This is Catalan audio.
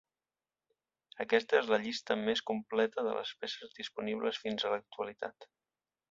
Aquesta és la llista més completa de les peces disponibles fins a l'actualitat.